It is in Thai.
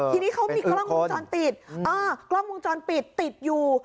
ทีนี้เขามีกล้องวงจรปิดกล้องวงจรปิดติดอยู่